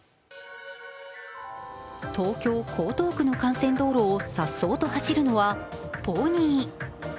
東京・江東区の幹線道路をさっそうと走るのはポニー。